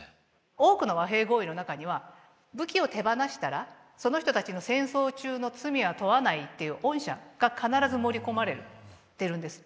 多くの和平合意の中には武器を手放したらその人たちの戦争中の罪は問わないっていう恩赦が必ず盛り込まれてるんです。